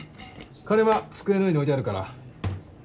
金は机の上に置いてあるから。